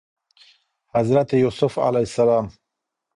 حضرت يوسف ع